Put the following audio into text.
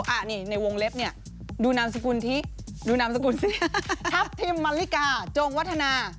อันนี้ในวงเล็บเนี่ยดูนามสกุลทิดูนามสกุลสิทัพทิมมันลิกาจงวัฒนา